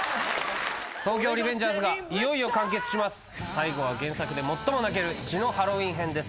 最後は原作で最も泣ける「血のハロウィン編」です。